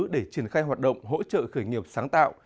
để triển khai hoạt động hỗ trợ khởi nghiệp sáng tạo